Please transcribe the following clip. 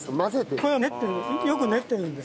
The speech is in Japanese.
これを練ってるよく練ってるんです。